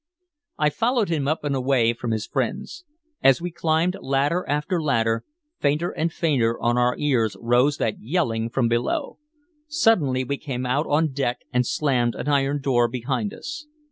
I followed him up and away from his friends. As we climbed ladder after ladder, fainter and fainter on our ears rose that yelling from below. Suddenly we came out on deck and slammed an iron door behind us.